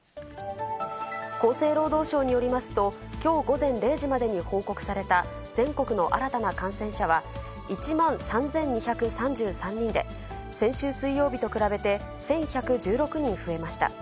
厚生労働省によりますと、きょう午前０時までに報告された全国の新たな感染者は、１万３２３３人で、先週水曜日と比べて１１１６人増えました。